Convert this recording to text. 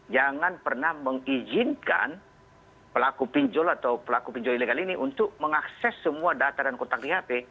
jangan pernah mengizinkan pelaku pinjol atau pelaku pinjol ilegal ini untuk mengakses semua data dan kontak di hp